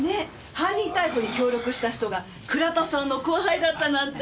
犯人逮捕に協力した人が倉田さんの後輩だったなんて。